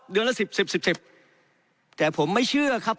เดือนละ๑๐๑๐แต่ผมไม่เลยเชื่อครับ